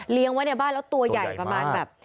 ไว้ในบ้านแล้วตัวใหญ่ประมาณแบบ